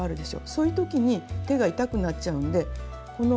そういう時に手が痛くなっちゃうんでへえ？